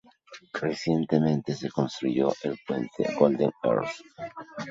Recientemente se construyó el Puente Golden Ears.